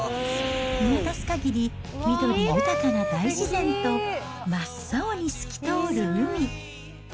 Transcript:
見渡すかぎり、緑豊かな大自然と真っ青に透き通る海。